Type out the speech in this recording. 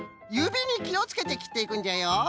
ゆびにきをつけてきっていくんじゃよ。